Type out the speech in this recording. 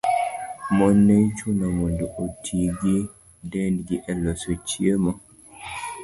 Mon ne ichuno mondo oti gi dendgi e loso chiemo.